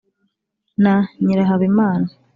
na nyirahabimana